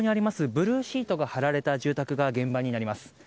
ブルーシートが張られた住宅が現場になります。